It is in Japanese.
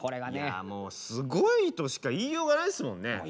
もうすごいとしか言いようがないですもんね。